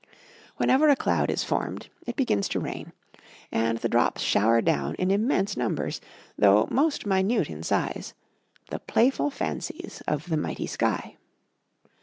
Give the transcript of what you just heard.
Whenever a cloud is formed, it begins to rain; and the drops shower down in immense numbers, though most minute in size "the playful fancies of the mighty sky."